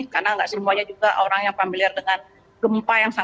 karena tidak semuanya juga orang yang familiar dengan gempa yang lain